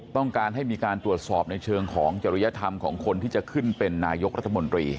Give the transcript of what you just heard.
ต้องการให้มีการตรวจสอบในเชิงของจริยธรรมของคนที่จะขึ้นเป็นนายกรัฐมนตรี